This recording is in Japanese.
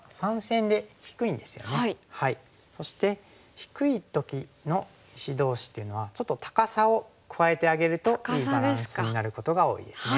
そして低い時の石同士っていうのはちょっと高さを加えてあげるといいバランスになることが多いですね。